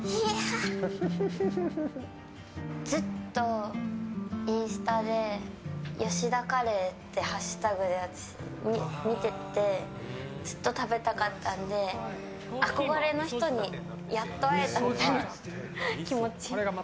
ずっとインスタで吉田カレーってハッシュタグで見ててずっと食べたかったので憧れの人にやっと会えたみたいな気持ち。